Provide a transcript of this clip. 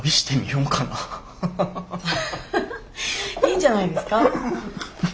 いいんじゃないですか？